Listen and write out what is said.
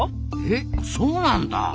えっそうなんだ！